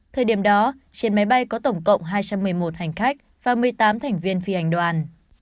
thời điểm đó trên máy bay có tổng cộng hai trăm một mươi một hành khách và một mươi tám thành viên phi hành đoàn